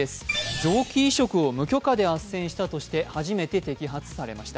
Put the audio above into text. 臓器移植を無許可で行ったとして初めて摘発されました。